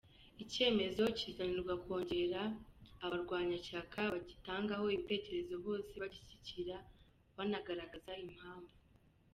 Icyemezo kizanirwa kongere, abarwanashyaka bagitangaho ibitekerezo bose, bagishyigikira banagaragaza impavu.